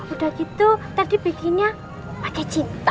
udah gitu tadi bikinnya ada cinta